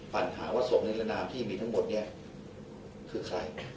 ปั่นหาว่าส่วนนิรนาที่มีทั้งหมดคือใคร